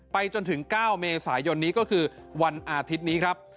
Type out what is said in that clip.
จนถึง๙เมษายนนี้ก็คือวันอาทิตย์นี้ครับ